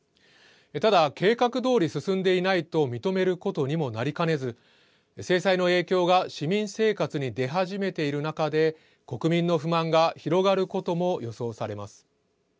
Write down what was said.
ただ、計画どおり進んでいないと認めることにもなりかねず、制裁の影響が市民生活に出始めている中で、国民の不満が広がることも予想されます。